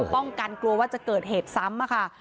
ป้องกันกลัวว่าจะเกิดเหตุซ้ำค่ะ